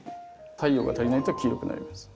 太陽が足りないと黄色くなります。